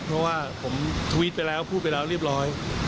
เพราะว่าผมทวิตไปแล้วพูดไปแล้วเรียบร้อย